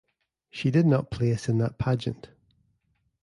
She did not place in that pageant.